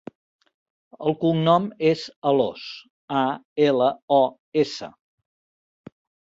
El cognom és Alos: a, ela, o, essa.